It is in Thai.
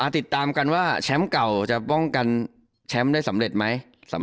ติดตามกันว่าแชมป์เก่าจะป้องกันแชมป์ได้สำเร็จไหม